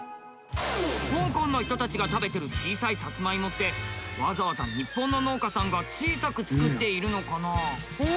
香港の人たちが食べてる小さいさつまいもってわざわざ日本の農家さんが小さく作っているのかな？